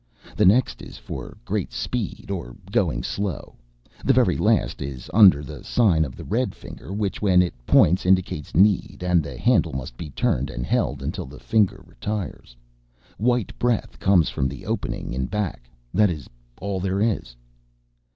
The next is for great speed or going slow. The very last is under the sign of the red finger, which when it points indicates need, and the handle must be turned and held until the finger retires. White breath comes from the opening in back. That is all there is."